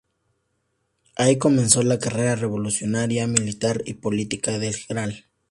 Ahí comenzó la carrera revolucionaria, militar y política del Gral.